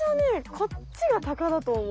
こっちがタカだとおもう。